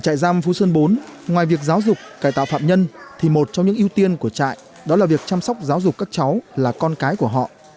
trại giam phú sơn bốn ngoài việc giáo dục cải tạo phạm nhân thì một trong những ưu tiên của trại đó là việc chăm sóc giáo dục các cháu là con cái của họ